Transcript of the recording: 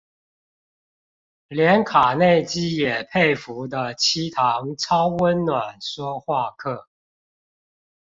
連卡內基也佩服的七堂超溫暖說話課